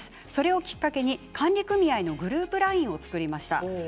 それをきっかけに管理組合のグループＬＩＮＥを作りました。